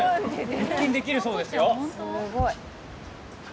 腹筋できるそうですよ。